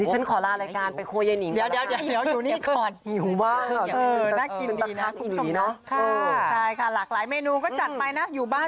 หิวบ้างนะค่ะกูต้องเนาะข้าพลายเมนูก็จัดไปนะอยู่บ้าน